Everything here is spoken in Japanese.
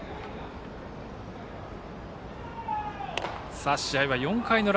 さあ、試合は４回の裏。